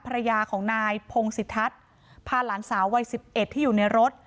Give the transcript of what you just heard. ภรรยาของนายพงศิทัศน์พาหลานสาววัย๑๑ที่อยู่ในรถ